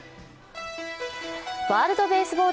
ワールドベースボール